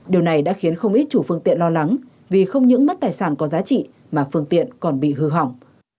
điều này đã khiến không ít chủ phương tiện lo lắng vì không những mất tài sản có giá trị mà phương tiện còn bị hư hỏng